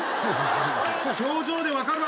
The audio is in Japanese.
表情で分かるわ。